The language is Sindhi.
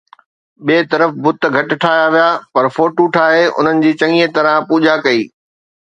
ٻئي طرف بت گهٽ ٺاهيا ويا، پر فوٽو ٺاهي انهن جي چڱيءَ طرح پوڄا ڪئي